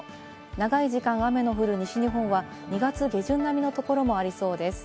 長い時間、雨の降る西日本は２月下旬並みの所もありそうです。